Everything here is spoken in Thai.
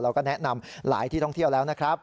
เราก็แนะนำหลายที่ท่องเที่ยวแล้วนะครับ